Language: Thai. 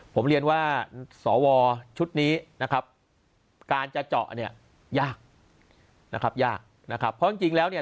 ผมเรียนว่าสวชุดนี้นะครับการจะเจาะเนี่ยยากนะครับยากนะครับเพราะจริงแล้วเนี่ย